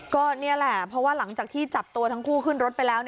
ก็นี่แหละเพราะว่าหลังจากที่จับตัวทั้งคู่ขึ้นรถไปแล้ว